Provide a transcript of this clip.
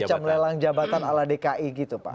semacam lelang jabatan ala dki gitu pak